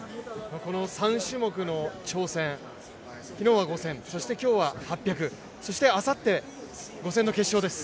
この３種目の挑戦、昨日は５０００、今日は８００、そしてあさって５０００の決勝です。